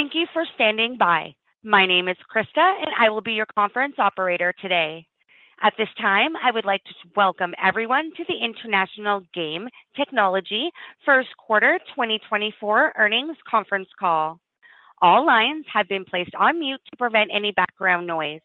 Thank you for standing by. My name is Krista, and I will be your conference operator today. At this time, I would like to welcome everyone to the International Game Technology First Quarter 2024 Earnings Conference Call. All lines have been placed on mute to prevent any background noise.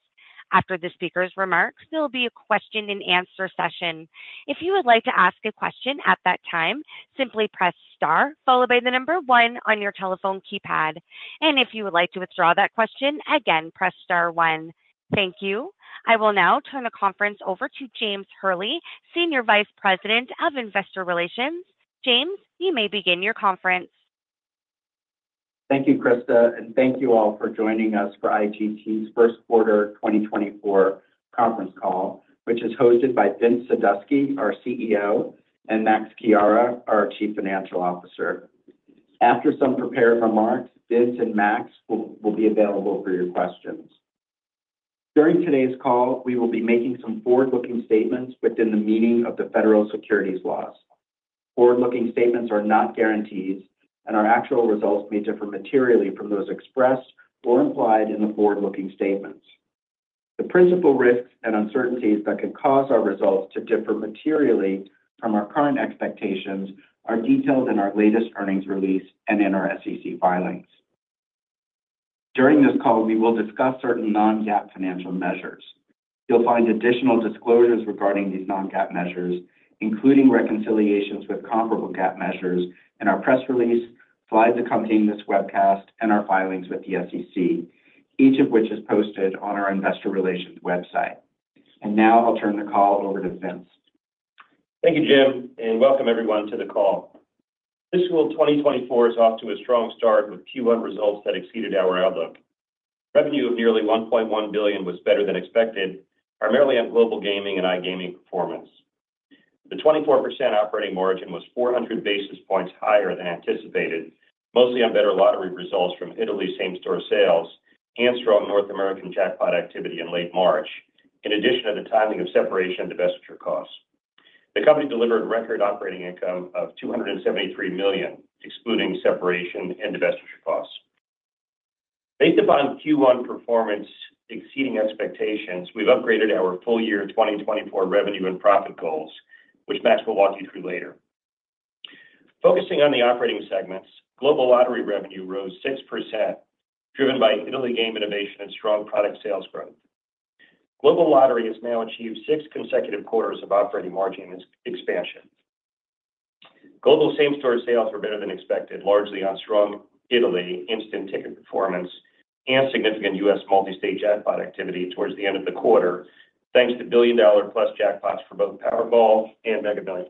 After the speaker's remarks, there will be a question-and-answer session. If you would like to ask a question at that time, simply press star followed by the number one on your telephone keypad. If you would like to withdraw that question, again, press star one. Thank you. I will now turn the conference over to James Hurley, Senior Vice President of Investor Relations. James, you may begin your conference. Thank you, Krista, and thank you all for joining us for IGT's First Quarter 2024 Conference Call, which is hosted by Vince Sadusky, our CEO, and Max Chiara, our Chief Financial Officer. After some prepared remarks, Vince and Max will be available for your questions. During today's call, we will be making some forward-looking statements within the meaning of the federal securities laws. Forward-looking statements are not guarantees, and our actual results may differ materially from those expressed or implied in the forward-looking statements. The principal risks and uncertainties that could cause our results to differ materially from our current expectations are detailed in our latest earnings release and in our SEC filings. During this call, we will discuss certain non-GAAP financial measures. You'll find additional disclosures regarding these non-GAAP measures, including reconciliations with comparable GAAP measures in our press release, slides accompanying this webcast, and our filings with the SEC, each of which is posted on our Investor Relations website. Now I'll turn the call over to Vince. Thank you, Jim, and welcome everyone to the call. Fiscal 2024 is off to a strong start with Q1 results that exceeded our outlook. Revenue of nearly $1.1 billion was better than expected, primarily on global gaming and iGaming performance. The 24% operating margin was 400 basis points higher than anticipated, mostly on better lottery results from Italy's same-store sales and strong North American jackpot activity in late March, in addition to the timing of separation and transaction costs. The company delivered record operating income of $273 million, excluding separation and transaction costs. Based upon Q1 performance exceeding expectations, we've upgraded our full-year 2024 revenue and profit goals, which Max will walk you through later. Focusing on the operating segments, global lottery revenue rose 6%, driven by Italy game innovation and strong product sales growth. Global lottery has now achieved six consecutive quarters of operating margin expansion. Global same-store sales were better than expected, largely on strong Italy instant ticket performance and significant U.S.. multi-state jackpot activity towards the end of the quarter, thanks to billion-dollar-plus jackpots for both Powerball and Mega Millions.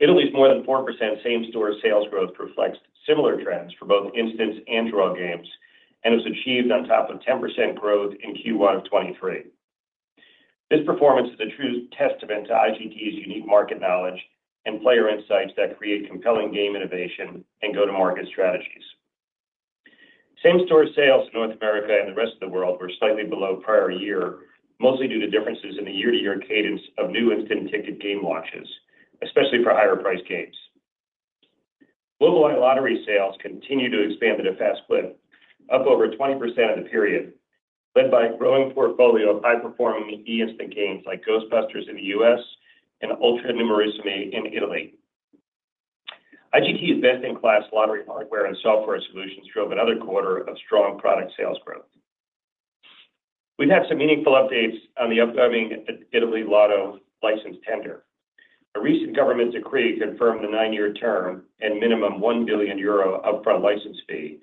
Italy's more than 4% same-store sales growth reflects similar trends for both instants and draw games, and it was achieved on top of 10% growth in Q1 of 2023. This performance is a true testament to IGT's unique market knowledge and player insights that create compelling game innovation and go-to-market strategies. Same-store sales in North America and the rest of the world were slightly below prior year, mostly due to differences in the year-to-year cadence of new instant ticket game launches, especially for higher-priced games. Global iLottery sales continue to expand at a fast clip, up over 20% in the period, led by a growing portfolio of high-performing e-instant games like Ghostbusters in the U.S. and Ultra Numerissimi in Italy. IGT's best-in-class lottery hardware and software solutions drove another quarter of strong product sales growth. We've had some meaningful updates on the upcoming Italy Lotto license tender. A recent government decree confirmed a nine-year term and minimum 1 billion euro upfront license fee,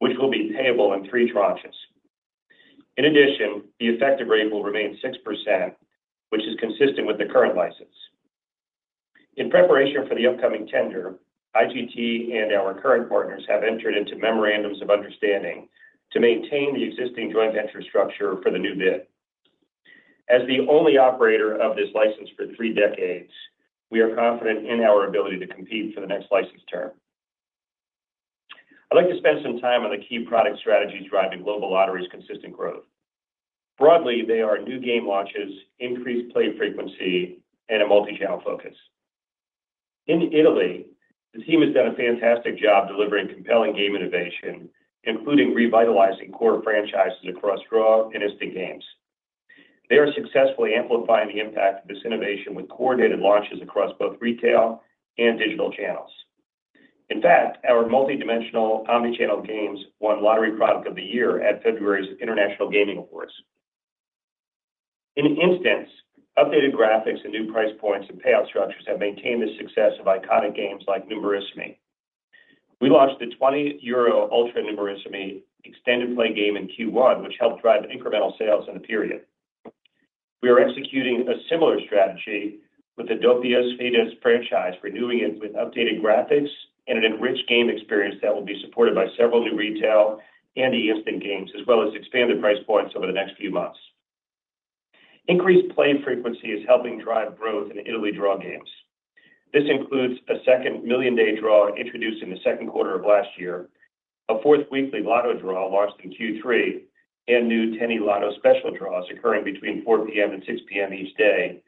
which will be payable in three tranches. In addition, the effective rate will remain 6%, which is consistent with the current license. In preparation for the upcoming tender, IGT and our current partners have entered into memorandums of understanding to maintain the existing joint venture structure for the new bid. As the only operator of this license for three decades, we are confident in our ability to compete for the next license term. I'd like to spend some time on the key product strategies driving global lottery's consistent growth. Broadly, they are new game launches, increased play frequency, and a multi-channel focus. In Italy, the team has done a fantastic job delivering compelling game innovation, including revitalizing core franchises across draw and instant games. They are successfully amplifying the impact of this innovation with coordinated launches across both retail and digital channels. In fact, our multi-dimensional omnichannel games won Lottery Product of the Year at February's International Gaming Awards. In instants, updated graphics and new price points and payout structures have maintained the success of iconic games like Numerissimi. We launched the 20 euro Ultra Numerissimi extended play game in Q1, which helped drive incremental sales in the period. We are executing a similar strategy with the Doppia Sfida franchise, renewing it with updated graphics and an enriched game experience that will be supported by several new retail and e-instant games, as well as expanded price points over the next few months. Increased play frequency is helping drive growth in Italy draw games. This includes a second MillionDAY draw introduced in the second quarter of last year, a fourth weekly Lotto draw launched in Q3, and new 10eLotto special draws occurring between 4:00 P.M. and 6:00 P.M. each day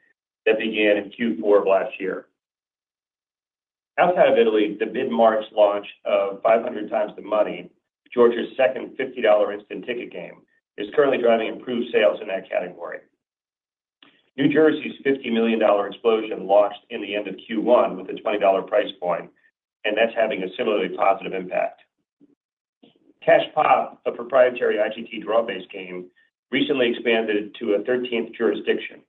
that began in Q4 of last year. Outside of Italy, the mid-March launch of 500X The Money, Georgia's second $50 instant ticket game, is currently driving improved sales in that category. New Jersey's $50 million Explosion launched in the end of Q1 with a $20 price point, and that's having a similarly positive impact. Cash Pop, a proprietary IGT draw-based game, recently expanded to a 13th jurisdiction.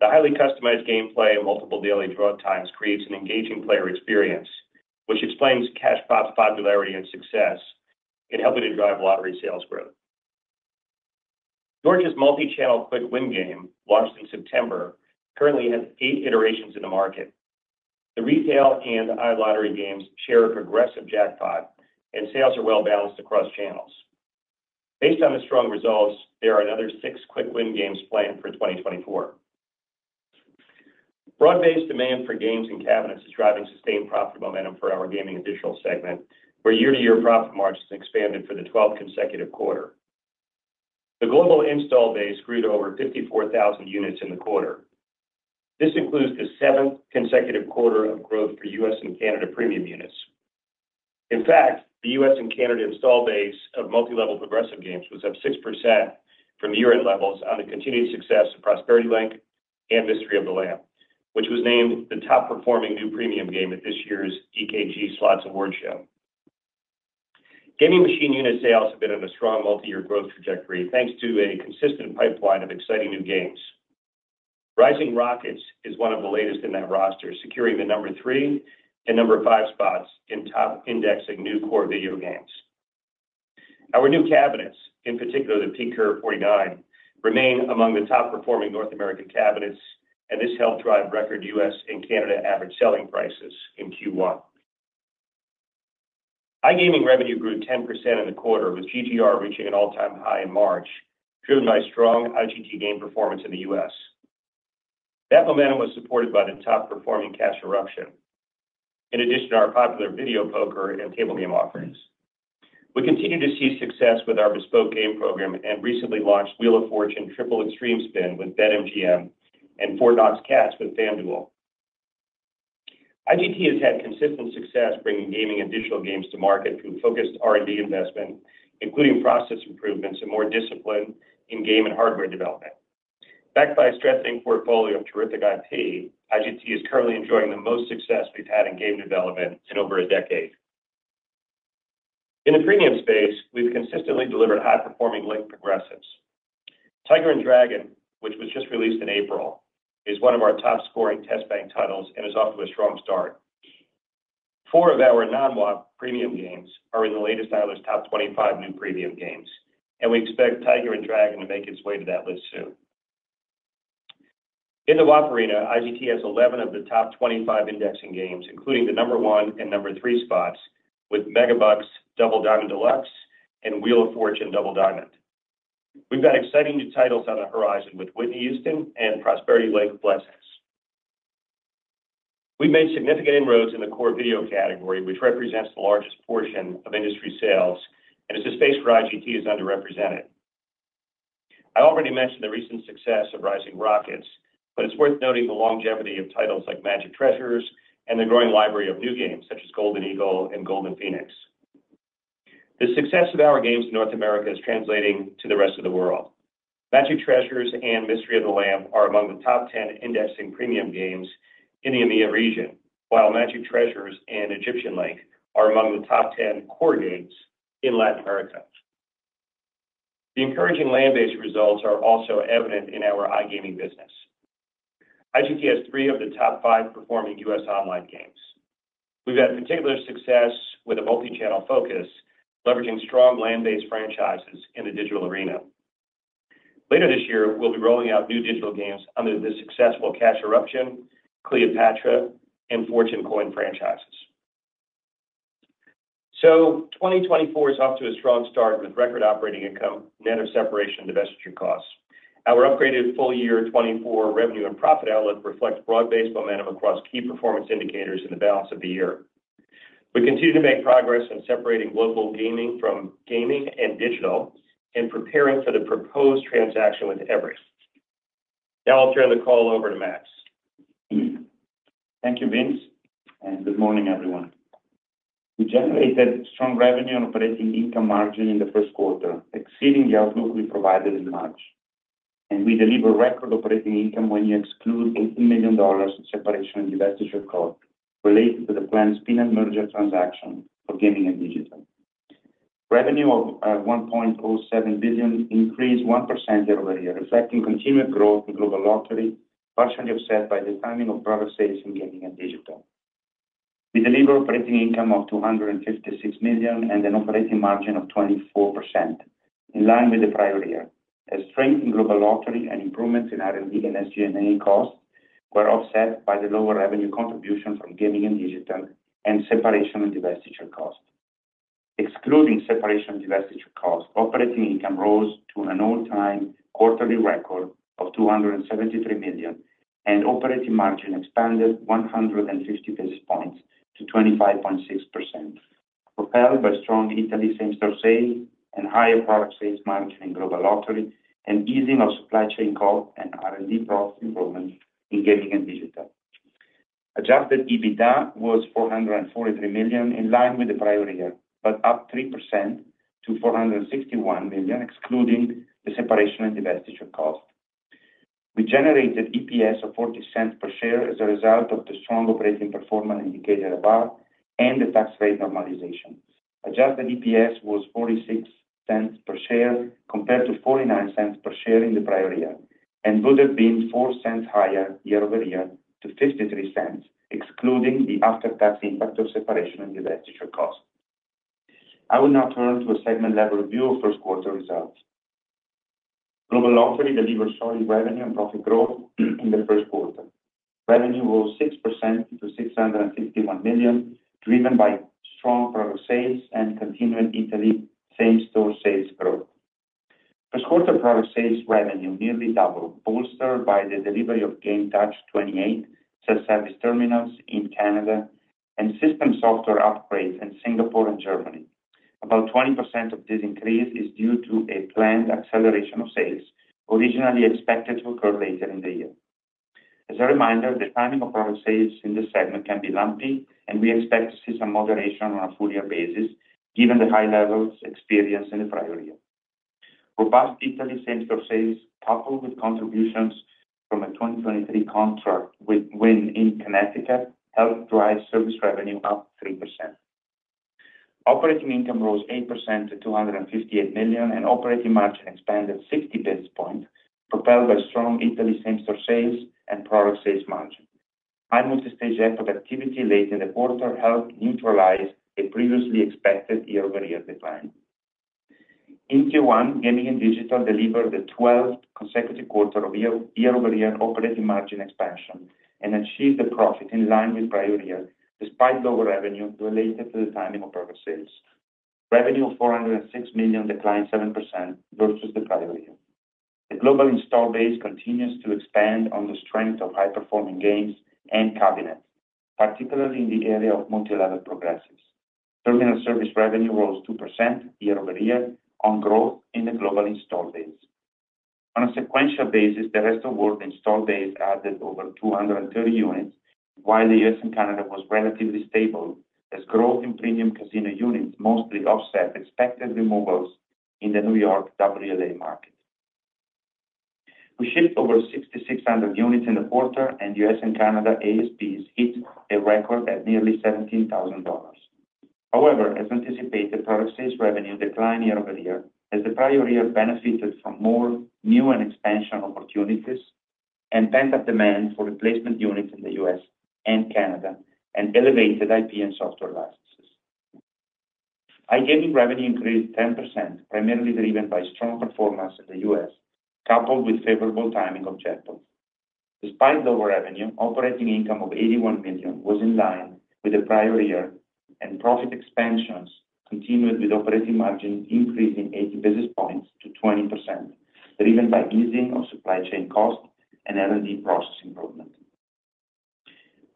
The highly customized gameplay and multiple daily draw times creates an engaging player experience, which explains Cash Pop's popularity and success in helping to drive lottery sales growth. Georgia's multi-channel Quick win game, launched in September, currently has eight iterations in the market. The retail and iLottery games share a progressive jackpot, and sales are well balanced across channels. Based on the strong results, there are another six Quick win games planned for 2024. Broad-based demand for games and cabinets is driving sustained profit momentum for our gaming and digital segment, where year-over-year profit margins expanded for the 12th consecutive quarter. The global install base grew to over 54,000 units in the quarter. This includes the seventh consecutive quarter of growth for U.S. and Canada premium units. In fact, the U.S. and Canada installed base of multilevel progressive games was up 6% from year-end levels on the continued success of Prosperity Link and Mystery of the Lamp, which was named the top-performing new premium game at this year's EKG Slots Award Show. Gaming machine unit sales have been on a strong multi-year growth trajectory, thanks to a consistent pipeline of exciting new games. Rising Rockets is one of the latest in that roster, securing the number three and number five spots in top indexing new core video games. Our new cabinets, in particular the PeakCurve49, remain among the top-performing North American cabinets, and this helped drive record U.S. and Canada average selling prices in Q1. iGaming revenue grew 10% in the quarter, with GGR reaching an all-time high in March, driven by strong IGT game performance in the U.S. That momentum was supported by the top-performing Cash Eruption, in addition to our popular video poker and table game offerings. We continue to see success with our bespoke game program and recently launched Wheel of Fortune Triple Extreme Spin with BetMGM and Fort Knox Cats with FanDuel. IGT has had consistent success bringing gaming additional games to market through focused R&D investment, including process improvements and more discipline in game and hardware development. Backed by a strengthening portfolio of terrific IP, IGT is currently enjoying the most success we've had in game development in over a decade. In the premium space, we've consistently delivered high-performing link progressives. Tiger and Dragon, which was just released in April, is one of our top-scoring test bank titles and is off to a strong start. Four of our non-WAP premium games are in the latest Eilers Top 25 new premium games, and we expect Tiger and Dragon to make its way to that list soon. In the WAP arena, IGT has 11 of the top 25 indexing games, including the number one and number three spots, with Megabucks, Double Diamond Deluxe, and Wheel of Fortune Double Diamond. We've got exciting new titles on the horizon with Whitney Houston and Prosperity Link Blessings. We've made significant inroads in the core video category, which represents the largest portion of industry sales and is the space where IGT is underrepresented. I already mentioned the recent success of Rising Rockets, but it's worth noting the longevity of titles like Magic Treasures and the growing library of new games such as Golden Eagle and Golden Phoenix. The success of our games in North America is translating to the rest of the world. Magic Treasures and Mystery of the Lamp are among the top 10 indexing premium games in the EMEA region, while Magic Treasures and Egyptian Link are among the top 10 core games in Latin America. The encouraging land-based results are also evident in our iGaming business. IGT has three of the top five performing U.S. online games. We've had particular success with a multi-channel focus, leveraging strong land-based franchises in the digital arena. Later this year, we'll be rolling out new digital games under the successful Cash Eruption, Cleopatra, and Fortune Coin franchises. So 2024 is off to a strong start with record operating income net of separation and investment costs. Our upgraded full-year 2024 revenue and profit outlook reflects broad-based momentum across key performance indicators in the balance of the year. We continue to make progress in separating global gaming from gaming and digital and preparing for the proposed transaction with Everi. Now I'll turn the call over to Max. Thank you, Vince, and good morning, everyone. We generated strong revenue and operating income margin in the first quarter, exceeding the outlook we provided in March. We deliver record operating income when you exclude $18 million separation and transaction cost related to the planned spin and merger transaction for gaming and digital. Revenue of $1.07 billion increased 1% year-over-year, reflecting continued growth in global lottery, partially offset by the timing of product sales in gaming and digital. We deliver operating income of $256 million and an operating margin of 24%, in line with the prior year, as strength in global lottery and improvements in R&D and SG&A costs were offset by the lower revenue contribution from gaming and digital and separation and transaction cost. Excluding separation and investiture cost, operating income rose to an all-time quarterly record of $273 million, and operating margin expanded 150 basis points to 25.6%, propelled by strong Italy same-store sale and higher product sales margin in global lottery and easing of supply chain cost and R&D profit improvements in gaming and digital. Adjusted EBITDA was $443 million, in line with the prior year, but up 3% to $461 million, excluding the separation and investiture cost. We generated EPS of 0.40 per share as a result of the strong operating performance indicator above and the tax rate normalization. Adjusted EPS was 0.46 per share compared to 0.49 per share in the prior year and would have been 0.04 higher year-over-year to 0.53, excluding the after-tax impact of separation and investiture cost. I will now turn to a segment-level review of first-quarter results. Global lottery delivered solid revenue and profit growth in the first quarter. Revenue rose 6% to $651 million, driven by strong product sales and continuing Italy same-store sales growth. First-quarter product sales revenue nearly doubled, bolstered by the delivery of GameTouch 28 self-service terminals in Canada and system software upgrades in Singapore and Germany. About 20% of this increase is due to a planned acceleration of sales, originally expected to occur later in the year. As a reminder, the timing of product sales in this segment can be lumpy, and we expect to see some moderation on a full-year basis, given the high levels of experience in the prior year. Robust Italy same-store sales, coupled with contributions from a 2023 contract with Win in Connecticut, helped drive service revenue up 3%. Operating income rose 8% to $258 million, and operating margin expanded 60 basis points, propelled by strong Italy same-store sales and product sales margin. High multi-stage effort activity late in the quarter helped neutralize a previously expected year-over-year decline. In Q1, gaming and digital delivered the 12th consecutive quarter of year-over-year operating margin expansion and achieved a profit in line with prior year, despite lower revenue related to the timing of product sales. Revenue of $406 million declined 7% versus the prior year. The global install base continues to expand on the strength of high-performing games and cabinets, particularly in the area of multilevel progressives. Terminal service revenue rose 2% year-over-year on growth in the global install base. On a sequential basis, the rest of the world installed base added over 230 units, while the U.S. and Canada was relatively stable as growth in premium casino units mostly offset expected removals in the New York WLA market. We shipped over 6,600 units in the quarter, and U.S. and Canada ASPs hit a record at nearly $17,000. However, as anticipated, product sales revenue declined year-over-year as the prior year benefited from more new and expansion opportunities and pent-up demand for replacement units in the U.S. and Canada, and elevated IP and software licenses. iGaming revenue increased 10%, primarily driven by strong performance in the U.S., coupled with favorable timing of jackpots. Despite lower revenue, operating income of $81 million was in line with the prior year, and profit expansions continued with operating margin increasing 80 basis points to 20%, driven by easing of supply chain cost and R&D process improvement.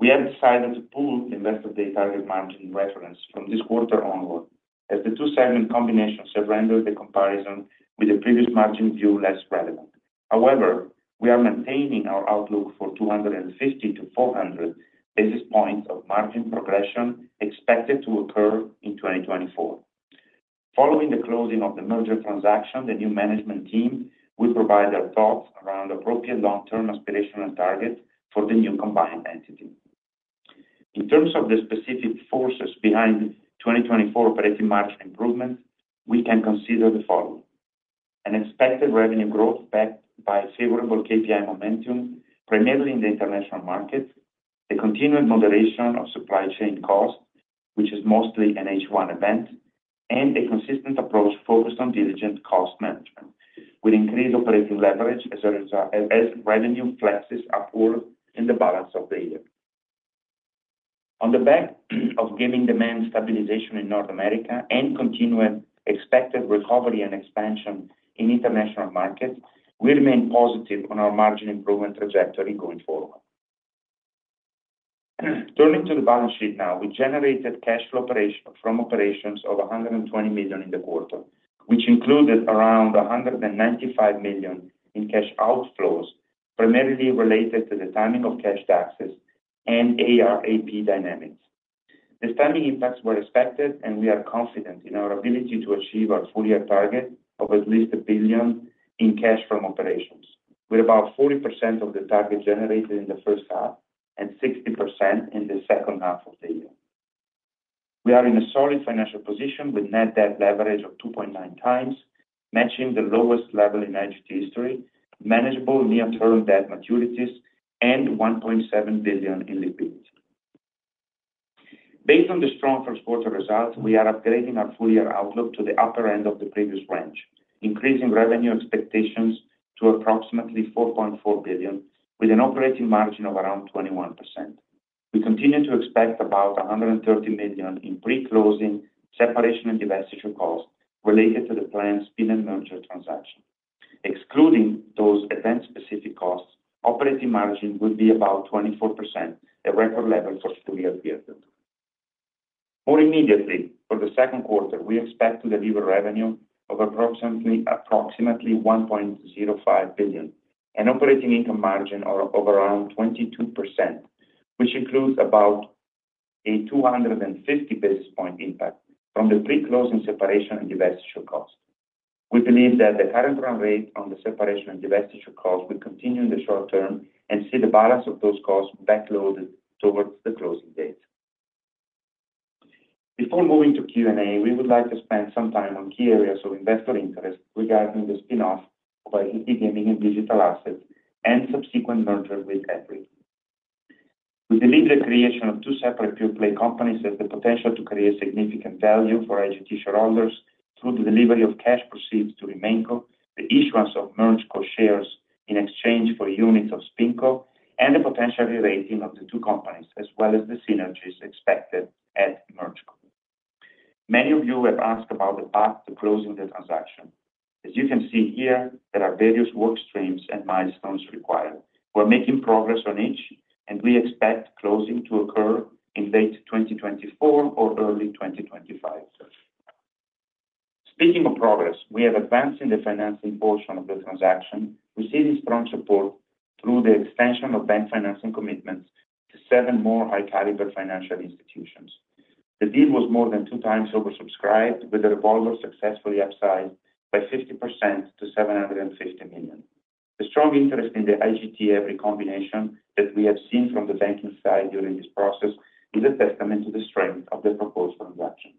We have decided to pull the investor-day target margin reference from this quarter onward, as the two-segment combinations have rendered the comparison with the previous margin view less relevant. However, we are maintaining our outlook for 250-400 basis points of margin progression expected to occur in 2024. Following the closing of the merger transaction, the new management team will provide their thoughts around appropriate long-term aspirational targets for the new combined entity. In terms of the specific forces behind 2024 operating margin improvements, we can consider the following: an expected revenue growth backed by favorable KPI momentum, primarily in the international market, the continued moderation of supply chain cost, which is mostly an H1 event, and a consistent approach focused on diligent cost management with increased operating leverage as revenue flexes upward in the balance of the year. On the back of gaming demand stabilization in North America and continued expected recovery and expansion in international markets, we remain positive on our margin improvement trajectory going forward. Turning to the balance sheet now, we generated cash flow from operations of $120 million in the quarter, which included around $195 million in cash outflows, primarily related to the timing of cash taxes and AR/AP dynamics. The timing impacts were expected, and we are confident in our ability to achieve our full-year target of at least $1 billion in cash from operations, with about 40% of the target generated in the first half and 60% in the second half of the year. We are in a solid financial position with net debt leverage of 2.9 times, manageable near-term debt maturities, and $1.7 billion in liquidity. Based on the strong first-quarter results, we are upgrading our full-year outlook to the upper end of the previous range, increasing revenue expectations to approximately $4.4 billion, with an operating margin of around 21%. We continue to expect about $130 million in pre-closing separation and integration costs related to the planned spin and merger transaction. Excluding those event-specific costs, operating margin would be about 24%, a record level for the full-year period. More immediately, for the second quarter, we expect to deliver revenue of approximately $1.05 billion and operating income margin of around 22%, which includes about a 250 basis points impact from the pre-closing separation and integration cost. We believe that the current run rate on the separation and integration costs will continue in the short term and see the balance of those costs backloaded towards the closing date. Before moving to Q&A, we would like to spend some time on key areas of investor interest regarding the spinoff of IGT gaming and digital assets and subsequent merger with Everi. We believe the creation of two separate pure-play companies has the potential to create significant value for IGT shareholders through the delivery of cash proceeds to RemainCo, the issuance of MergeCo shares in exchange for units of SpinCo, and the potential re-rating of the two companies, as well as the synergies expected at MergeCo. Many of you have asked about the path to closing the transaction. As you can see here, there are various work streams and milestones required. We're making progress on each, and we expect closing to occur in late 2024 or early 2025. Speaking of progress, we have advanced in the financing portion of the transaction. We see this strong support through the extension of bank financing commitments to seven more high-caliber financial institutions. The deal was more than 2x oversubscribed, with the revolver successfully upsized by 50% to $750 million. The strong interest in the IGT Everi combination that we have seen from the banking side during this process is a testament to the strength of the proposed transaction.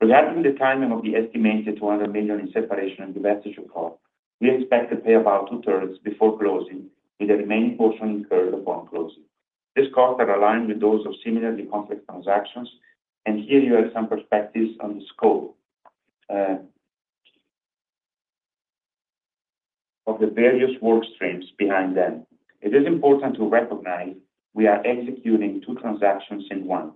Regarding the timing of the estimated $200 million in separation and transaction cost, we expect to pay about two-thirds before closing, with the remaining portion incurred upon closing. These costs are aligned with those of similarly complex transactions, and here you have some perspectives on the scope of the various work streams behind them. It is important to recognize we are executing two transactions in one: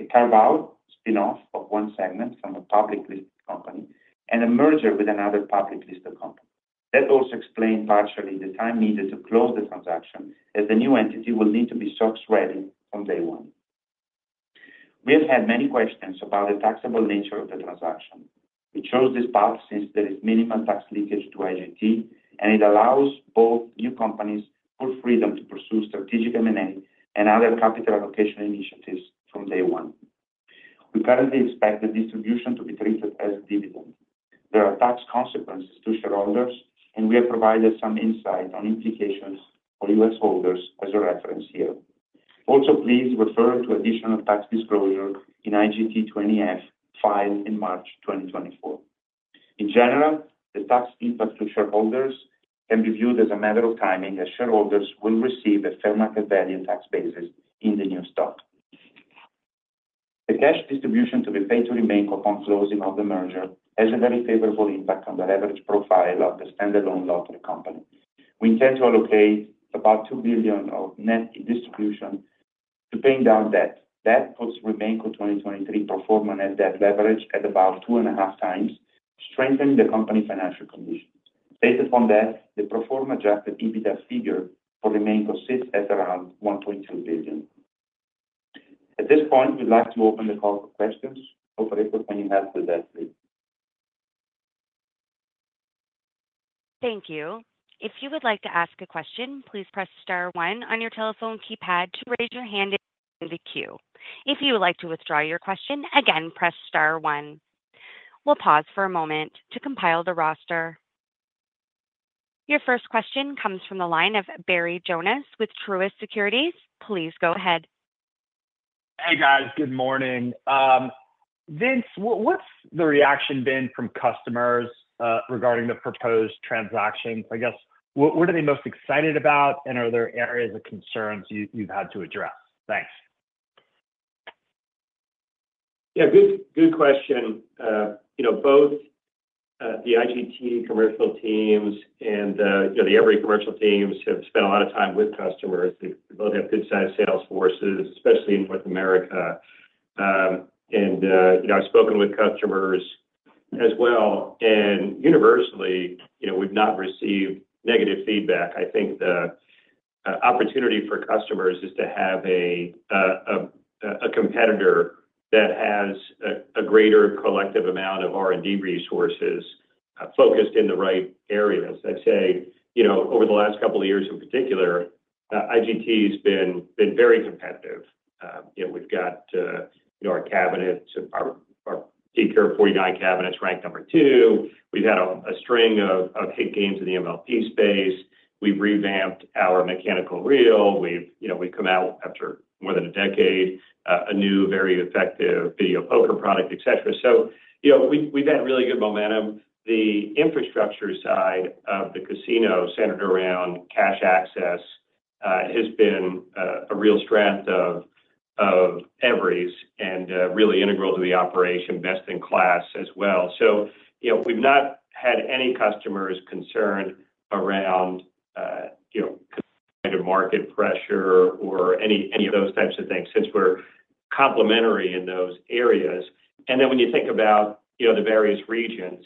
a carve-out spinoff of one segment from a publicly listed company and a merger with another publicly listed company. That also explains partially the time needed to close the transaction, as the new entity will need to be SOX-ready from day one. We have had many questions about the taxable nature of the transaction. We chose this path since there is minimal tax leakage to IGT, and it allows both new companies full freedom to pursue strategic M&A and other capital allocation initiatives from day one. We currently expect the distribution to be treated as dividend. There are tax consequences to shareholders, and we have provided some insight on implications for U.S. holders as a reference here. Also, please refer to additional tax disclosure in IGT 20-F filed in March 2024. In general, the tax impact to shareholders can be viewed as a matter of timing, as shareholders will receive a fair market value tax basis in the new stock. The cash distribution to be paid to RemainCo upon closing of the merger has a very favorable impact on the leverage profile of the standalone lottery company. We intend to allocate about $2 billion of net distribution to paying down debt. That puts RemainCo 2023 pro forma net debt leverage at about 2.5x, strengthening the company financial conditions. Based upon that, the pro forma adjusted EBITDA figure for RemainCo sits at around $1.2 billion. At this point, we'd like to open the call for questions. Open it when you have the best fit. Thank you. If you would like to ask a question, please press star one on your telephone keypad to raise your hand in the queue. If you would like to withdraw your question, again, press star one. We'll pause for a moment to compile the roster. Your first question comes from the line of Barry Jonas with Truist Securities. Please go ahead. Hey, guys. Good morning. Vince, what's the reaction been from customers regarding the proposed transactions? I guess, what are they most excited about, and are there areas of concerns you've had to address? Thanks. Yeah, good question. Both the IGT commercial teams and the Everi commercial teams have spent a lot of time with customers. They both have good-sized sales forces, especially in North America. I've spoken with customers as well. Universally, we've not received negative feedback. I think the opportunity for customers is to have a competitor that has a greater collective amount of R&D resources focused in the right areas. I'd say over the last couple of years, in particular, IGT has been very competitive. We've got our cabinets, our PeakCurve49 cabinets, ranked number two. We've had a string of hit games in the MLP space. We've revamped our mechanical reel. We've come out, after more than a decade, a new, very effective video poker product, etc. We've had really good momentum. The infrastructure side of the casino, centered around cash access, has been a real strength of Everi and really integral to the operation, best in class as well. So we've not had any customers concerned around competitive market pressure or any of those types of things since we're complementary in those areas. And then when you think about the various regions,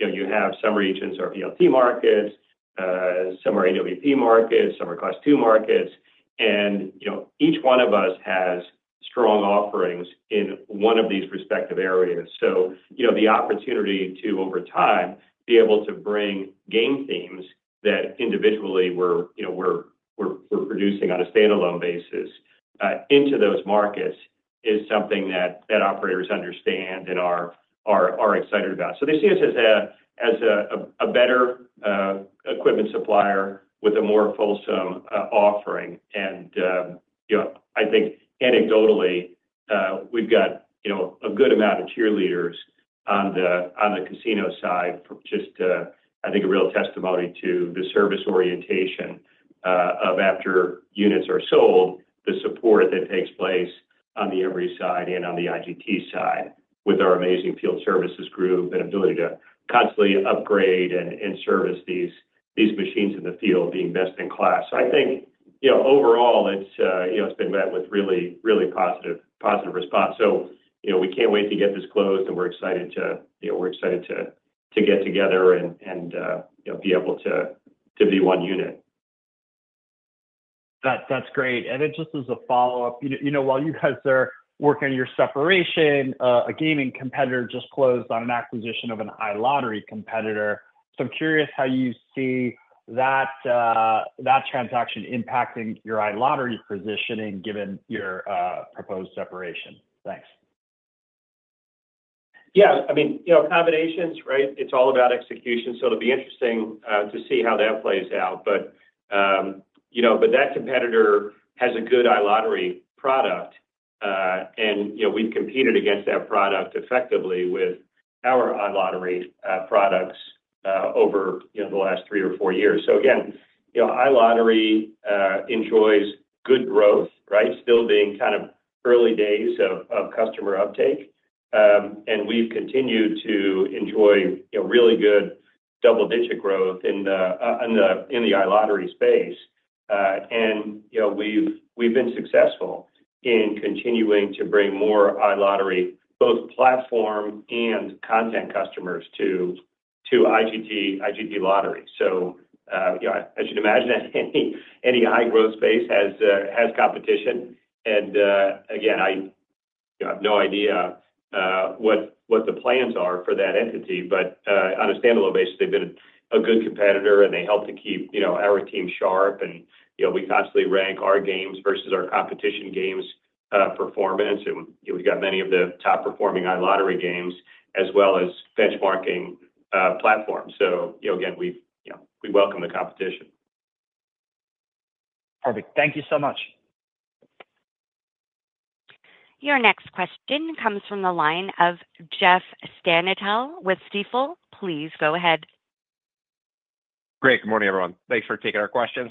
you have some regions are VLT markets, some are AWP markets, some are Class II markets. And each one of us has strong offerings in one of these respective areas. So the opportunity to, over time, be able to bring game themes that individually we're producing on a standalone basis into those markets is something that operators understand and are excited about. So they see us as a better equipment supplier with a more fulsome offering. And I think, anecdotally, we've got a good amount of cheerleaders on the casino side, just I think a real testimony to the service orientation of, after units are sold, the support that takes place on the Everi side and on the IGT side with our amazing field services group and ability to constantly upgrade and service these machines in the field, being best in class. So I think, overall, it's been met with really, really positive response. So we can't wait to get this closed, and we're excited to get together and be able to be one unit. That's great. And then just as a follow-up, while you guys are working on your separation, a gaming competitor just closed on an acquisition of an iLottery competitor. So I'm curious how you see that transaction impacting your iLottery positioning, given your proposed separation. Thanks. Yeah. I mean, combinations, right? It's all about execution. So it'll be interesting to see how that plays out. But that competitor has a good iLottery product, and we've competed against that product effectively with our iLottery products over the last three or four years. So again, iLottery enjoys good growth, right, still being kind of early days of customer uptake. And we've continued to enjoy really good double-digit growth in the iLottery space. And we've been successful in continuing to bring more iLottery, both platform and content customers, to IGT Lottery. So as you'd imagine, any high-growth space has competition. And again, I have no idea what the plans are for that entity. But on a standalone basis, they've been a good competitor, and they help to keep our team sharp. And we constantly rank our games versus our competition games' performance. And we've got many of the top-performing iLottery games as well as benchmarking platforms. So again, we welcome the competition. Perfect. Thank you so much. Your next question comes from the line of Jeff Stantial with Stifel. Please go ahead. Great. Good morning, everyone. Thanks for taking our questions.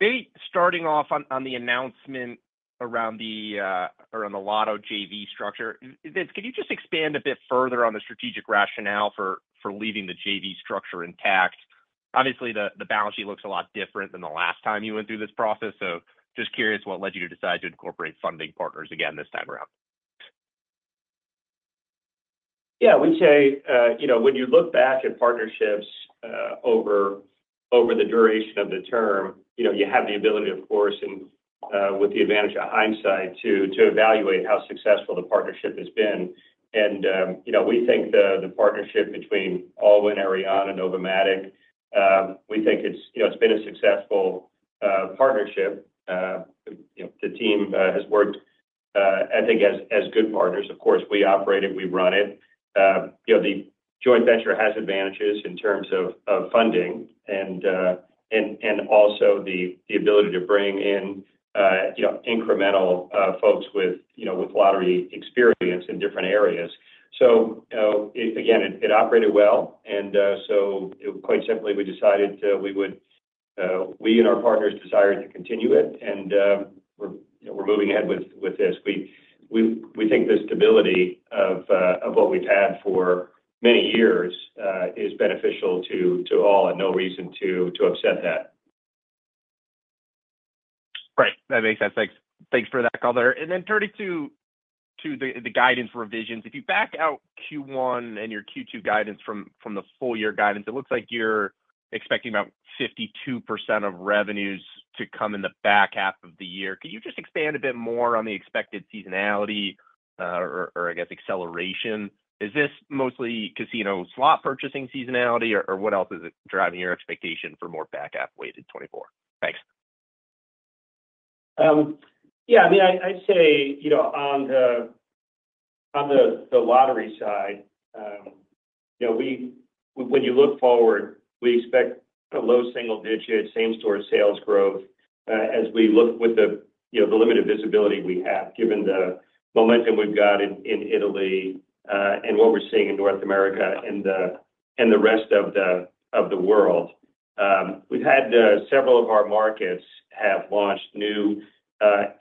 Maybe starting off on the announcement around the Lotto JV structure. Vince, can you just expand a bit further on the strategic rationale for leaving the JV structure intact? Obviously, the balance sheet looks a lot different than the last time you went through this process. So just curious what led you to decide to incorporate funding partners again this time around. Yeah. We'd say when you look back at partnerships over the duration of the term, you have the ability, of course, and with the advantage of hindsight, to evaluate how successful the partnership has been. We think the partnership between Allwyn, Arianna, and NOVOMATIC, we think it's been a successful partnership. The team has worked, I think, as good partners. Of course, we operate it. We run it. The joint venture has advantages in terms of funding and also the ability to bring in incremental folks with lottery experience in different areas. So again, it operated well. Quite simply, we decided we would we and our partners desired to continue it, and we're moving ahead with this. We think the stability of what we've had for many years is beneficial to all and no reason to upset that. Right. That makes sense. Thanks for that, Colbert. Then turning to the guidance revisions, if you back out Q1 and your Q2 guidance from the full-year guidance, it looks like you're expecting about 52% of revenues to come in the back half of the year. Could you just expand a bit more on the expected seasonality or, I guess, acceleration? Is this mostly casino slot purchasing seasonality, or what else is it driving your expectation for more back half-weighted 2024? Thanks. Yeah. I mean, I'd say on the lottery side, when you look forward, we expect a low single-digit same-store sales growth as we look with the limited visibility we have, given the momentum we've got in Italy and what we're seeing in North America and the rest of the world. We've had several of our markets have launched new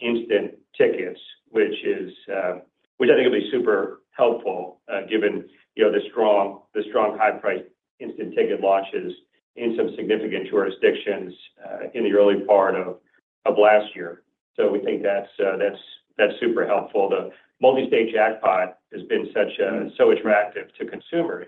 instant tickets, which I think will be super helpful given the strong high-priced instant ticket launches in some significant jurisdictions in the early part of last year. So we think that's super helpful. The multi-state jackpot has been so attractive to consumers.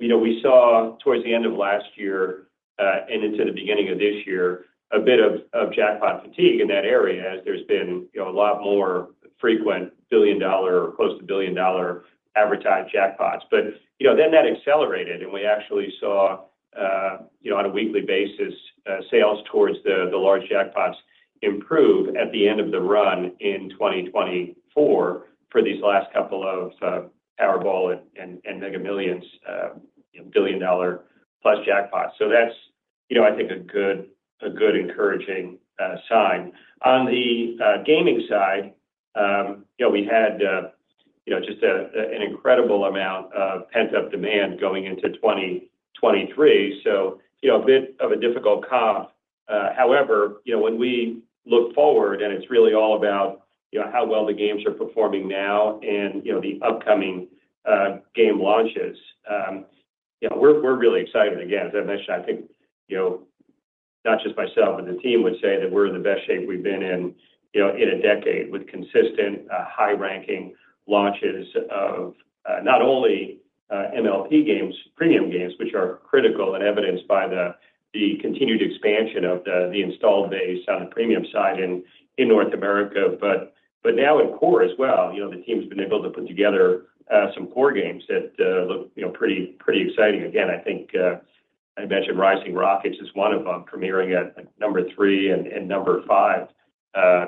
We saw, towards the end of last year and into the beginning of this year, a bit of jackpot fatigue in that area as there's been a lot more frequent billion-dollar or close to billion-dollar advertised jackpots. But then that accelerated, and we actually saw, on a weekly basis, sales towards the large jackpots improve at the end of the run in 2024 for these last couple of Powerball and Mega Millions billion-dollar-plus jackpots. So that's, I think, a good encouraging sign. On the gaming side, we had just an incredible amount of pent-up demand going into 2023, so a bit of a difficult comp. However, when we look forward, and it's really all about how well the games are performing now and the upcoming game launches, we're really excited. Again, as I mentioned, I think not just myself, but the team would say that we're in the best shape we've been in a decade with consistent, high-ranking launches of not only MLP games, premium games, which are critical and evidenced by the continued expansion of the installed base on the premium side in North America, but now in core as well. The team's been able to put together some core games that look pretty exciting. Again, I think I mentioned Rising Rockets is one of them, premiering at number three and number five,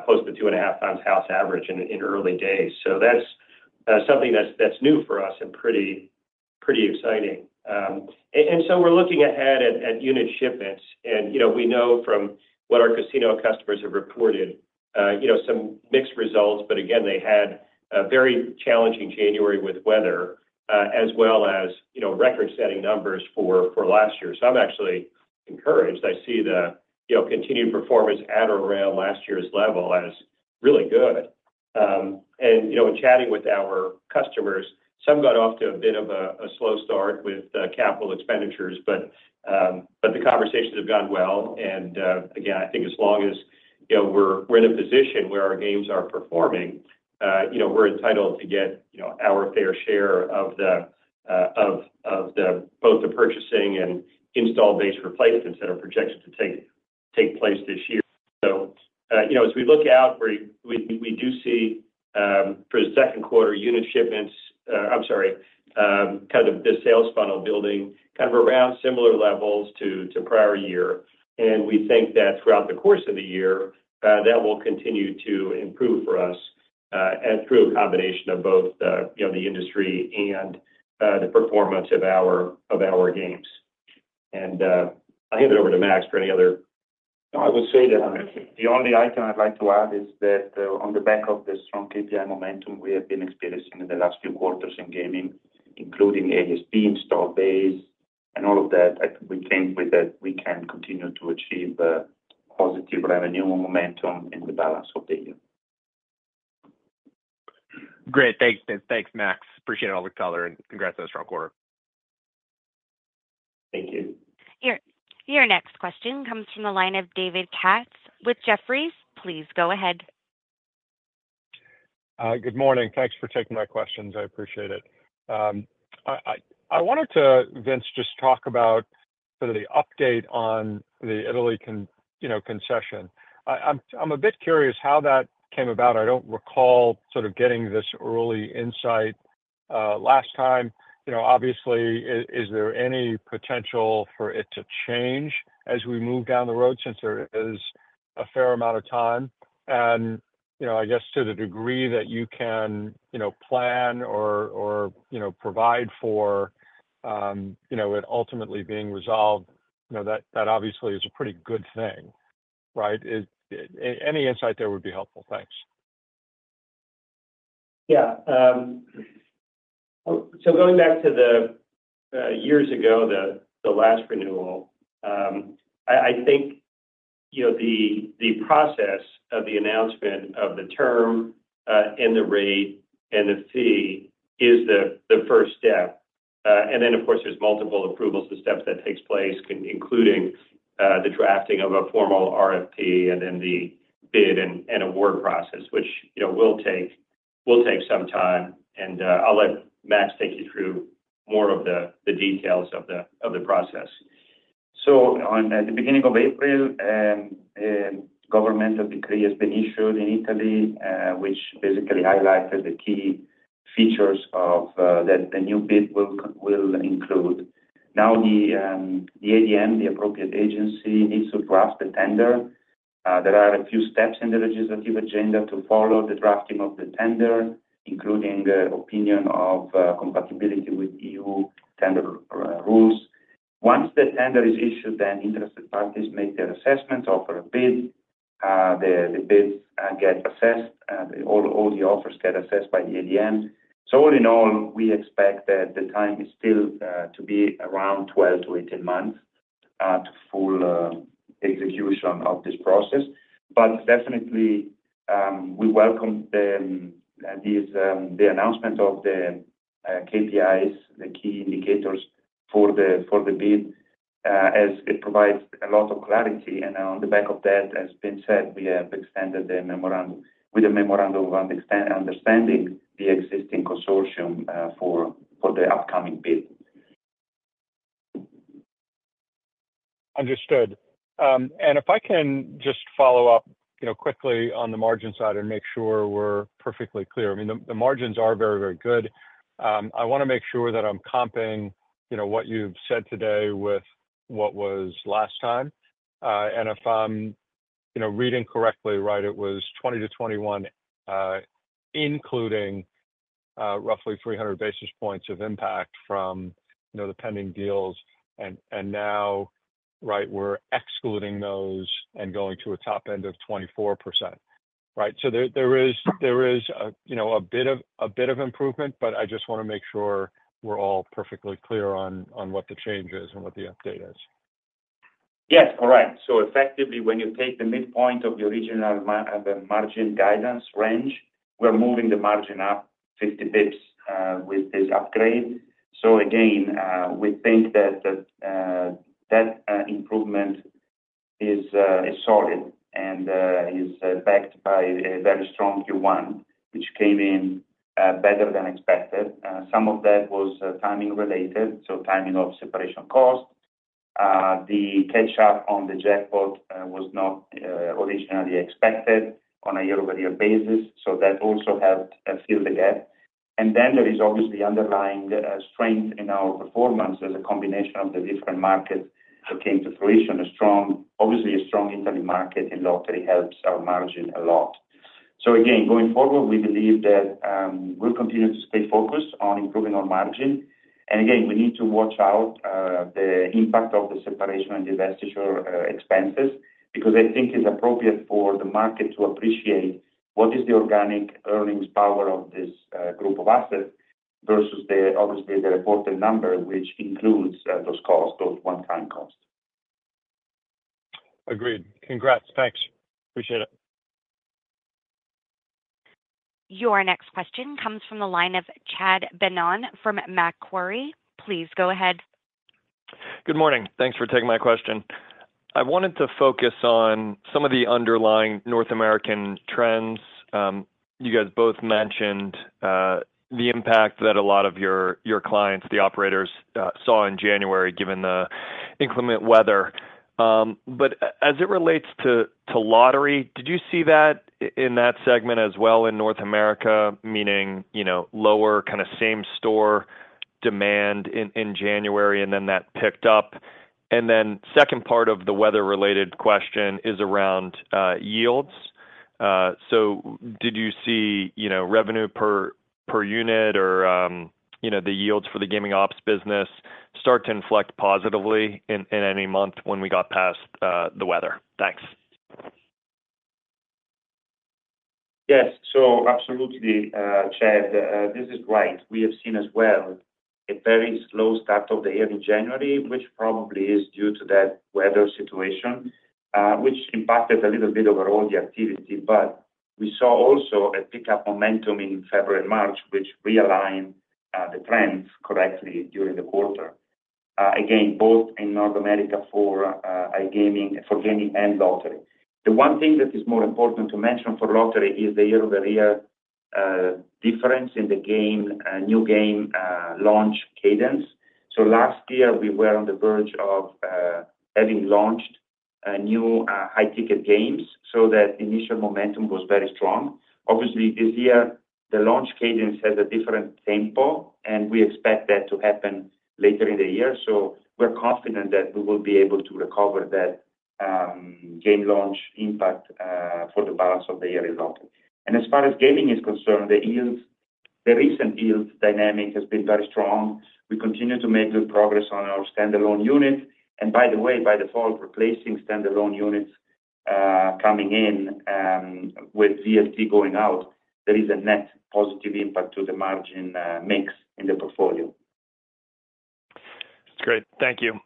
close to two and a half times house average in early days. So that's something that's new for us and pretty exciting. And so we're looking ahead at unit shipments. And we know from what our casino customers have reported some mixed results. But again, they had a very challenging January with weather as well as record-setting numbers for last year. So I'm actually encouraged. I see the continued performance at or around last year's level as really good. And in chatting with our customers, some got off to a bit of a slow start with capital expenditures, but the conversations have gone well. And again, I think as long as we're in a position where our games are performing, we're entitled to get our fair share of both the purchasing and install-based replacements that are projected to take place this year. So as we look out, we do see, for the second quarter, unit shipments, I'm sorry, kind of the sales funnel building kind of around similar levels to prior year. We think that throughout the course of the year, that will continue to improve for us through a combination of both the industry and the performance of our games. I'll hand it over to Max for any other. No, I would say that the only item I'd like to add is that, on the back of the strong KPI momentum we have been experiencing in the last few quarters in gaming, including ASP install base and all of that, we think that we can continue to achieve positive revenue momentum in the balance of the year. Great. Thanks, Vince. Thanks, Max. Appreciate all the color, and congrats on a strong quarter. Thank you. Your next question comes from the line of David Katz with Jefferies. Please go ahead. Good morning. Thanks for taking my questions. I appreciate it. I wanted to, Vince, just talk about sort of the update on the Italy concession. I'm a bit curious how that came about. I don't recall sort of getting this early insight last time. Obviously, is there any potential for it to change as we move down the road since there is a fair amount of time? And I guess, to the degree that you can plan or provide for it ultimately being resolved, that obviously is a pretty good thing, right? Any insight there would be helpful. Thanks. Yeah. So going back to the years ago, the last renewal, I think the process of the announcement of the term and the rate and the fee is the first step. And then, of course, there's multiple approvals and steps that take place, including the drafting of a formal RFP and then the bid and award process, which will take some time. And I'll let Max take you through more of the details of the process. So at the beginning of April, a governmental decree has been issued in Italy, which basically highlighted the key features that the new bid will include. Now, the ADM, the appropriate agency, needs to draft the tender. There are a few steps in the legislative agenda to follow the drafting of the tender, including opinion of compatibility with EU tender rules. Once the tender is issued, then interested parties make their assessments, offer a bid. The bids get assessed. All the offers get assessed by the ADM. So all in all, we expect that the time is still to be around 12-18 months to full execution of this process. But definitely, we welcome the announcement of the KPIs, the key indicators for the bid, as it provides a lot of clarity. And on the back of that, as has been said, we have extended the memorandum of understanding with the existing consortium for the upcoming bid. Understood. And if I can just follow up quickly on the margin side and make sure we're perfectly clear. I mean, the margins are very, very good. I want to make sure that I'm comping what you've said today with what was last time. And if I'm reading correctly, right, it was 2020-2021, including roughly 300 basis points of impact from the pending deals. And now, right, we're excluding those and going to a top end of 24%, right? So there is a bit of improvement, but I just want to make sure we're all perfectly clear on what the change is and what the update is. Yes. All right. So effectively, when you take the midpoint of the original margin guidance range, we're moving the margin up 50 basis points with this upgrade. So again, we think that that improvement is solid and is backed by a very strong Q1, which came in better than expected. Some of that was timing-related, so timing of separation cost. The catch-up on the jackpot was not originally expected on a year-over-year basis, so that also helped fill the gap. And then there is obviously underlying strength in our performance as a combination of the different markets that came to fruition. Obviously, a strong Italy market in lottery helps our margin a lot. So again, going forward, we believe that we'll continue to stay focused on improving our margin. Again, we need to watch out the impact of the separation and integration expenses because I think it's appropriate for the market to appreciate what is the organic earnings power of this group of assets versus, obviously, the reported number, which includes those costs, those one-time costs. Agreed. Congrats. Thanks. Appreciate it. Your next question comes from the line of Chad Beynon from Macquarie. Please go ahead. Good morning. Thanks for taking my question. I wanted to focus on some of the underlying North American trends. You guys both mentioned the impact that a lot of your clients, the operators, saw in January, given the inclement weather. But as it relates to lottery, did you see that in that segment as well in North America, meaning lower kind of same-store demand in January, and then that picked up? And then the second part of the weather-related question is around yields. So did you see revenue per unit or the yields for the gaming ops business start to inflect positively in any month when we got past the weather? Thanks. Yes. So absolutely, Chad. This is right. We have seen as well a very slow start of the year in January, which probably is due to that weather situation, which impacted a little bit overall the activity. But we saw also a pickup momentum in February and March, which realigned the trends correctly during the quarter, again, both in North America for gaming and lottery. The one thing that is more important to mention for lottery is the year-over-year difference in the new game launch cadence. So last year, we were on the verge of having launched new high-ticket games, so that initial momentum was very strong. Obviously, this year, the launch cadence has a different tempo, and we expect that to happen later in the year. So we're confident that we will be able to recover that game launch impact for the balance of the year in lottery. As far as gaming is concerned, the recent yields dynamic has been very strong. We continue to make good progress on our standalone unit. By the way, by default, replacing standalone units coming in with VLT going out, there is a net positive impact to the margin mix in the portfolio. That's great. Thank you.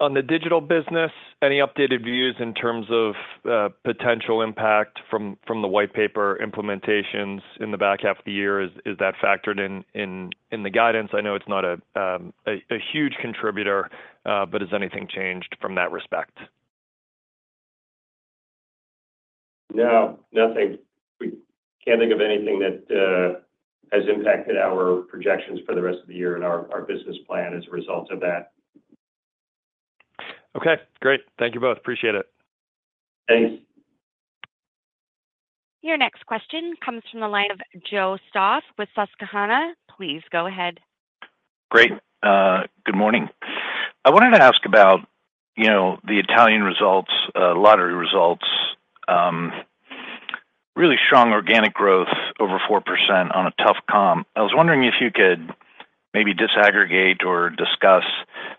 On the digital business, any updated views in terms of potential impact from the white paper implementations in the back half of the year? Is that factored in the guidance? I know it's not a huge contributor, but has anything changed from that respect? No. Nothing. We can't think of anything that has impacted our projections for the rest of the year and our business plan as a result of that. Okay. Great. Thank you both. Appreciate it. Thanks. Your next question comes from the line of Joe Stauff with Susquehanna. Please go ahead. Great. Good morning. I wanted to ask about the Italian results, lottery results, really strong organic growth over 4% on a tough comp. I was wondering if you could maybe disaggregate or discuss,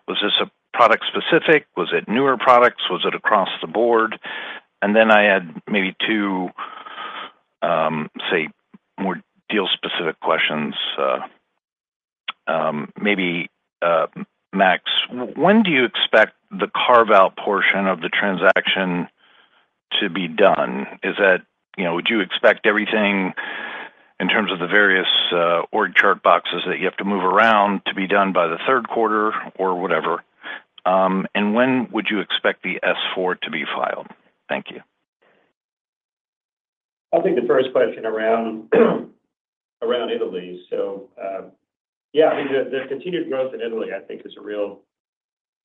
was this product-specific? Was it newer products? Was it across the board? And then I had maybe two, say, more deal-specific questions. Maybe, Max, when do you expect the carve-out portion of the transaction to be done? Would you expect everything in terms of the various org chart boxes that you have to move around to be done by the third quarter or whatever? And when would you expect the S4 to be filed? Thank you. I think the first question around Italy. So yeah, I mean, the continued growth in Italy, I think, is a real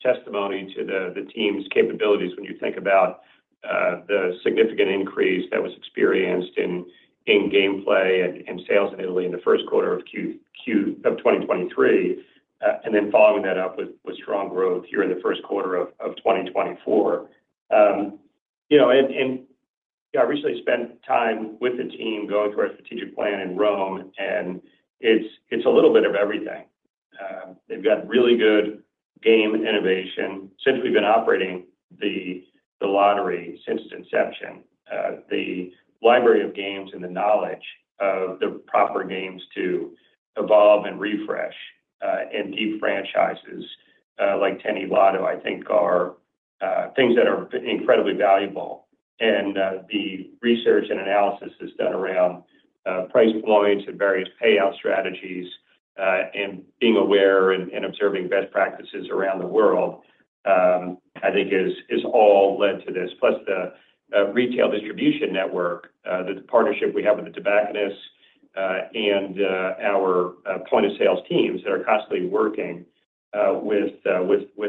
testimony to the team's capabilities when you think about the significant increase that was experienced in gameplay and sales in Italy in the first quarter of 2023, and then following that up with strong growth here in the first quarter of 2024. And yeah, I recently spent time with the team going through our strategic plan in Rome, and it's a little bit of everything. They've got really good game innovation. Since we've been operating the lottery since its inception, the library of games and the knowledge of the proper games to evolve and refresh, and deep franchises like 10eLotto, I think, are things that are incredibly valuable. The research and analysis that's done around price points and various payout strategies and being aware and observing best practices around the world, I think, has all led to this. Plus, the retail distribution network, the partnership we have with the tobacconists and our point-of-sales teams that are constantly working with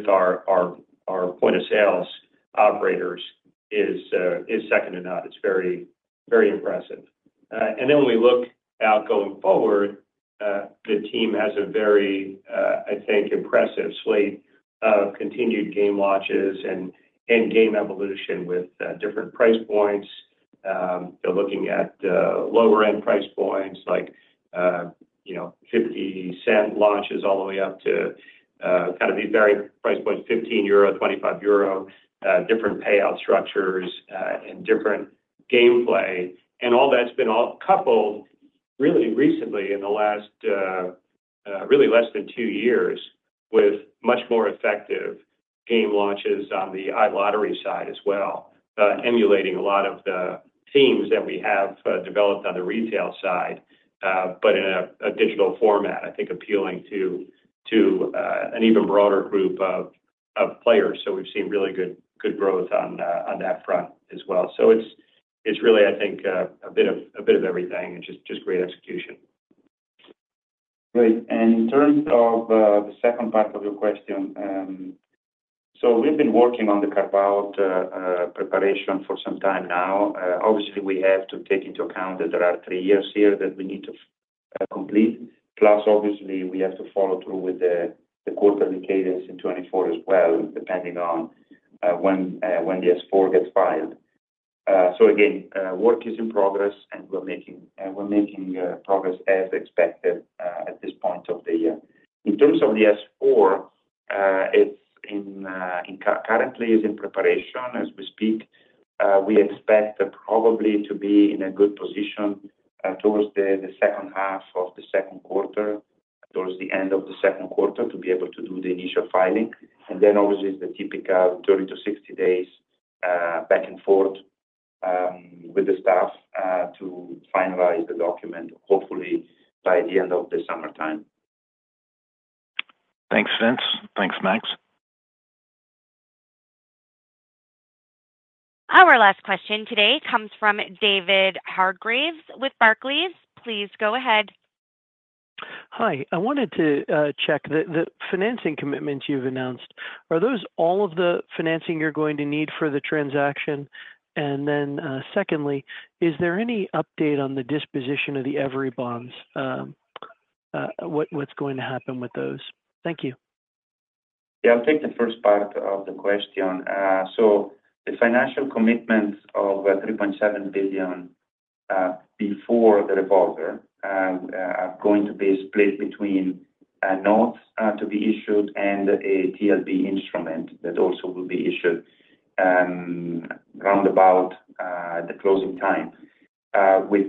our point-of-sales operators is second to none. It's very impressive. Then when we look out going forward, the team has a very, I think, impressive slate of continued game launches and game evolution with different price points. They're looking at lower-end price points like 0.50 launches all the way up to kind of these varying price points, 15 euro, 25 euro, different payout structures and different gameplay. All that's been coupled really recently in the last really less than two years with much more effective game launches on the iLottery side as well, emulating a lot of the themes that we have developed on the retail side but in a digital format, I think, appealing to an even broader group of players. We've seen really good growth on that front as well. It's really, I think, a bit of everything and just great execution. Great. And in terms of the second part of your question, so we've been working on the carve-out preparation for some time now. Obviously, we have to take into account that there are three years here that we need to complete. Plus, obviously, we have to follow through with the quarterly cadence in 2024 as well, depending on when the S-4 gets filed. So again, work is in progress, and we're making progress as expected at this point of the year. In terms of the S-4, currently, it's in preparation. As we speak, we expect probably to be in a good position towards the second half of the second quarter, towards the end of the second quarter, to be able to do the initial filing. And then, obviously, it's the typical 30-60 days back and forth with the staff to finalize the document, hopefully, by the end of the summertime. Thanks, Vince. Thanks, Max. Our last question today comes from David Hargreaves with Barclays. Please go ahead. Hi. I wanted to check. The financing commitments you've announced, are those all of the financing you're going to need for the transaction? And then secondly, is there any update on the disposition of the Everi bonds? What's going to happen with those? Thank you. Yeah. I'll take the first part of the question. So the financial commitments of $3.7 billion before the revolver are going to be split between notes to be issued and a TLB instrument that also will be issued roundabout the closing time. We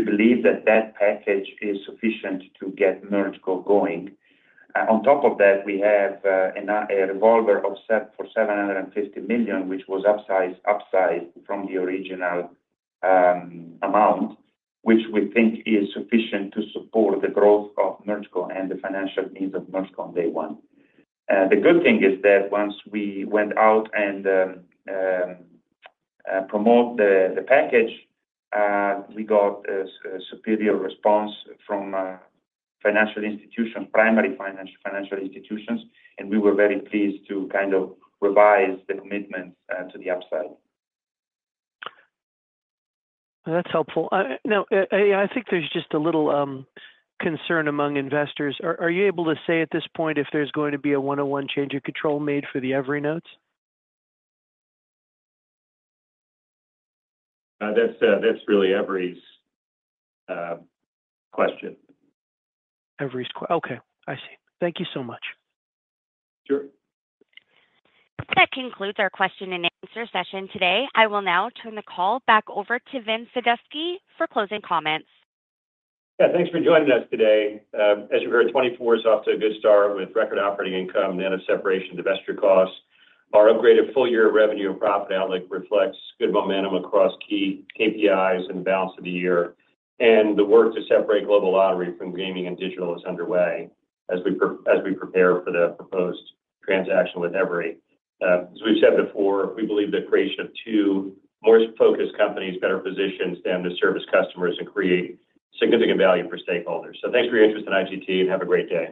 believe that that package is sufficient to get MergeCo going. On top of that, we have a revolver for $750 million, which was upsized from the original amount, which we think is sufficient to support the growth of MergeCo and the financial needs of MergeCo on day one. The good thing is that once we went out and promoted the package, we got a superior response from financial institutions, primary financial institutions, and we were very pleased to kind of revise the commitments to the upside. That's helpful. Now, I think there's just a little concern among investors. Are you able to say at this point if there's going to be a 101 change of control made for the Everi notes? That's really Everi's question. Everi's question. Okay. I see. Thank you so much. Sure. That concludes our question-and-answer session today. I will now turn the call back over to Vince Sadusky for closing comments. Yeah. Thanks for joining us today. As you heard, 2024 is off to a good start with record operating income, net of separation and restructuring costs. Our upgraded full-year revenue and profit outlook reflects good momentum across key KPIs and the balance of the year. The work to separate global lottery from gaming and digital is underway as we prepare for the proposed transaction with Everi. As we've said before, we believe the creation of two more focused companies better positions them to service customers and create significant value for stakeholders. Thanks for your interest in IGT, and have a great day.